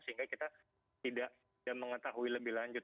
sehingga kita tidak mengetahui lebih lanjut